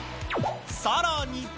さらに。